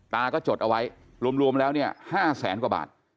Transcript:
ตาก็จดเอาไว้รวมแล้วเนี่ย๕แสนกว่าบาท